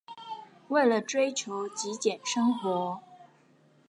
為了追求極簡生活